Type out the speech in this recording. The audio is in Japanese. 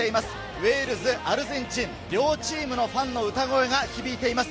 ウェールズとアルゼンチン、両チームのファンの歌声が響いています。